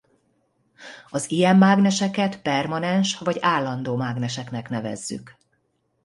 Az ilyen mágneseket permanens vagy állandó mágneseknek nevezzük.